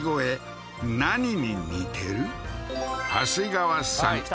長谷川さん